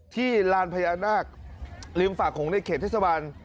ที่ลานพญานาคลิมฝากของในเขตเทศวรรณ